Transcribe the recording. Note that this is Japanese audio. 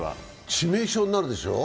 致命傷になるでしょう？